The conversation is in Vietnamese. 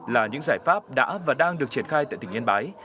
là những giải pháp đã và đang được triển khai tại tỉnh yên bái